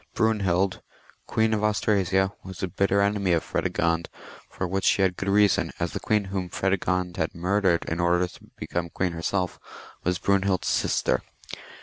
Brunehild, Queen of Anstrasia, was a bitter enemy of Predegond, for which she had good reason, as the queen whom Fredegond had murdered, in order to become queen herself, was Brune hild's sister.